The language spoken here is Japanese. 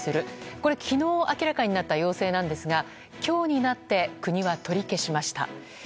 これは昨日明らかになった要請なんですが今日になって国は取り消しました。